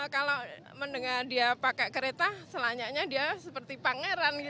kalau mendengar dia pakai kereta selanjutnya dia seperti pangeran